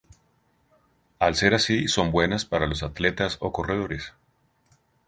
Al ser así, son buenas para los atletas o corredores.